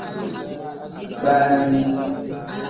Baani.